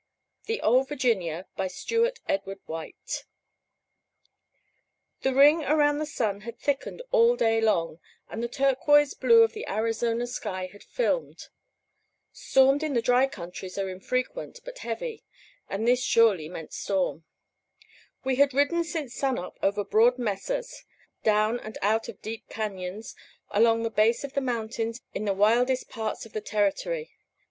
The Ole Virginia By Stewart Edward White THE ring around the sun had thickened all day long, and the turquoise blue of the Arizona sky had filmed. Storms in the dry countries are infrequent, but heavy; and this surely meant storm. We had ridden since sunup over broad mesas, down and out of deep cañons, along the base of the mountains in the wildest parts of the territory.